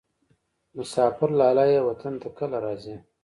مسافر لالیه وطن ته کله راځې؟